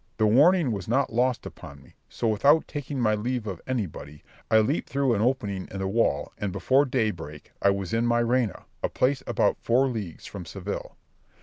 The warning was not lost upon me, so without taking my leave of anybody, I leaped through an opening in the wall, and before daybreak I was in Mayrena, a place about four leagues from Seville.